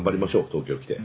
東京来て。